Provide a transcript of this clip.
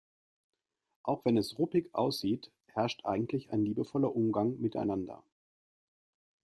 Auch wenn es ruppig aussieht, herrscht eigentlich ein liebevoller Umgang miteinander.